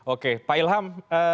oke pak ilham